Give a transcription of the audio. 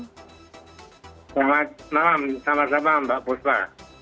selamat malam sama sama mbak buspa